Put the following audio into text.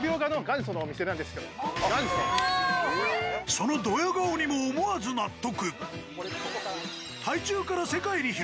そのドヤ顔にも思わず納得。